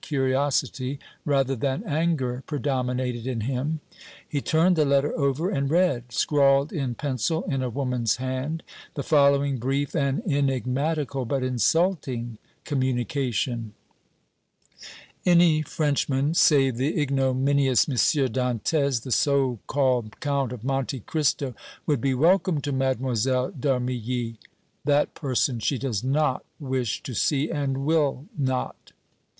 Curiosity rather than anger predominated in him. He turned the letter over and read, scrawled in pencil in a woman's hand, the following brief and enigmatical but insulting communication: "Any Frenchman save the ignominious M. Dantès, the so called Count of Monte Cristo, would be welcome to Mlle. d' Armilly. That person she does not wish to see and will not."